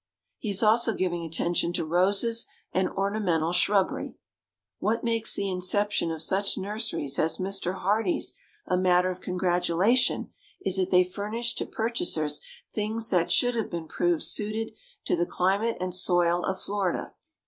He is also giving attention to roses and ornamental shrubbery. What makes the inception of such nurseries as Mr. Hardee's a matter of congratulation is that they furnish to purchasers things that have been proved suited to the climate and soil of Florida.